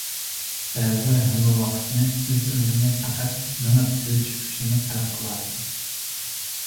بەزىلەر ھەممە ۋاقتىنى ئۆز ئۆمرىنى پەقەت مېڭىپ تۈگىتىش ئۈچۈنلا سەرپ قىلىۋېتىدۇ.